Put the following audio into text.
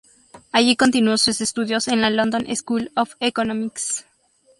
Allí continuó sus estudios en la London School of Economics.